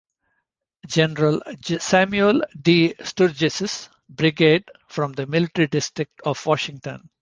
General Samuel D. Sturgis's brigade from the Military District of Washington.